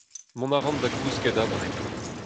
Mont a ran da gousket abred.